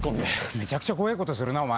めちゃくちゃ怖えぇことするなお前。